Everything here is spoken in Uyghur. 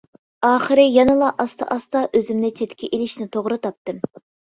ئاخىرى يەنىلا ئاستا-ئاستا ئۆزۈمنى چەتكە ئېلىشنى توغرا تاپتىم.